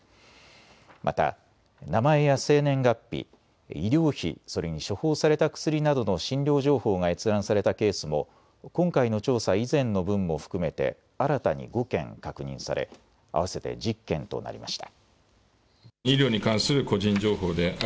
また名前や生年月日、医療費それに処方された薬などの診療情報が閲覧されたケースも今回の調査以前の分も含めて新たに５件確認され合わせて１０件となりました。